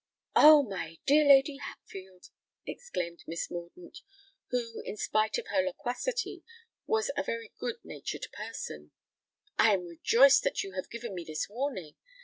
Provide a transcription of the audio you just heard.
"Oh! my dear Lady Hatfield," exclaimed Miss Mordaunt, who, in spite of her loquacity, was a very good natured person, "I am rejoiced that you have given me this warning.